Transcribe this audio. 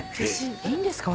いいんですか？